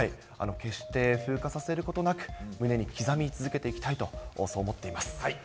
決して風化させることなく、胸に刻み続けていきたいと、そう思っています。